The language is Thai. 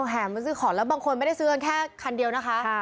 แห่มาซื้อของแล้วบางคนไม่ได้ซื้อกันแค่คันเดียวนะคะ